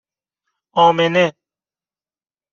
آمنه